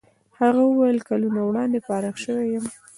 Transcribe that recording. هغه وویل کلونه وړاندې فارغ شوی یم.